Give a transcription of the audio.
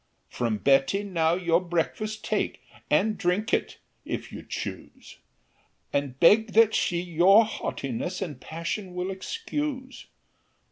"From Betty now your breakfast take, And drink it, if you choose, And beg that she your haughtiness And passion will excuse.